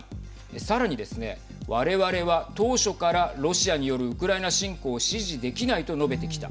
さらにですね、我々は当初からロシアによるウクライナ侵攻を支持できないと述べてきた。